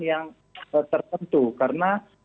yang tertentu karena